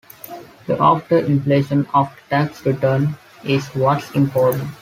The after-inflation, after-tax return is what's important.